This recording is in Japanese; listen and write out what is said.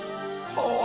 ああ